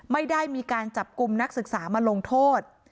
ไม่ได้มีการจับกลุ่มนักศึกษามาลงโทษ